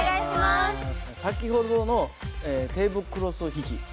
先ほどのテーブルクロス引き。